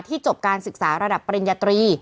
จบการศึกษาระดับปริญญาตรี